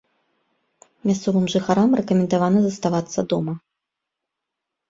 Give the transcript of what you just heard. Мясцовым жыхарам рэкамендавана заставацца дома.